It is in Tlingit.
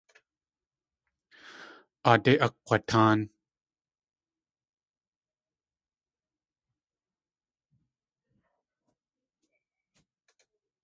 Aadé akg̲watáan.